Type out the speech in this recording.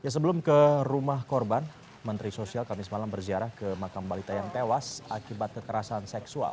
sebelum ke rumah korban menteri sosial kamis malam berziarah ke makam balita yang tewas akibat kekerasan seksual